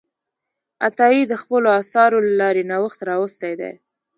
عطایي د خپلو اثارو له لارې نوښت راوستی دی.